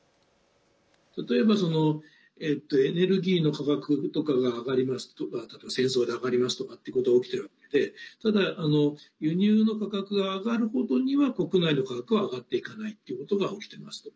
例えばエネルギーの価格とかが上がりますとか戦争で上がりますとかってことが起きているわけでただ、輸入の価格が上がる程には国内の価格は上がっていかないってことが起きていますと。